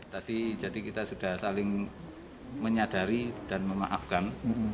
tadi jadi kita sudah saling menyadari dan memaafkan